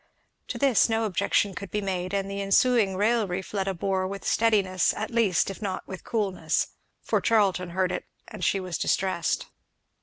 To this no objection could be made, and the ensuing raillery Fleda bore with steadiness at least if not with coolness; for Charlton heard it, and she was distressed.